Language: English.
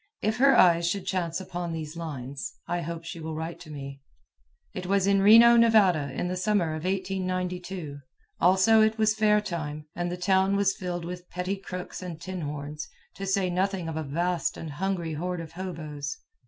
If her eyes should chance upon these lines, I hope she will write to me. It was in Reno, Nevada, in the summer of 1892. Also, it was fair time, and the town was filled with petty crooks and tin horns, to say nothing of a vast and hungry horde of hoboes.